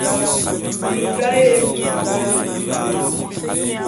Bingá Yenjôk bé ne biwólo.